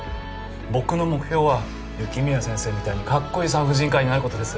僕の目標は雪宮先生みたいにかっこいい産婦人科医になる事です。